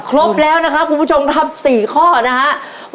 ครบแล้วนะครับคุณผู้ชมครับ๔ข้อนะครับ